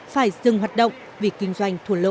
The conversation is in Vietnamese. phải dừng hoạt động vì kinh doanh thua lỗ